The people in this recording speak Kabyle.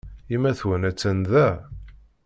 Yemma-twen attan da?